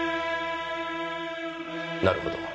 なるほど。